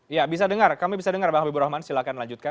ya bisa dengar kami bisa dengar bang habibur rahman silahkan lanjutkan